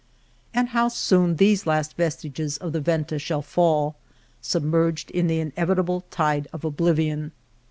And how soon these last vestiges of the Venta shall fall, submerged in the inevitable tide of oblivion